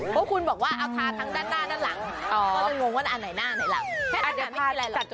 เพราะคุณบอกว่าเอาทาทั้งด้านหน้าด้านหลัง